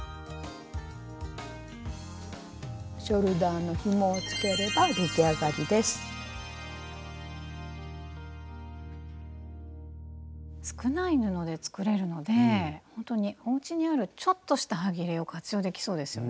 ショルダーのひもをつければ少ない布で作れるのでほんとにおうちにあるちょっとしたはぎれを活用できそうですよね。